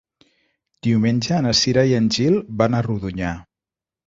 Diumenge na Cira i en Gil van a Rodonyà.